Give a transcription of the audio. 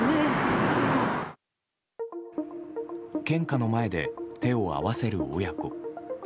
献花の前で手を合わせる親子。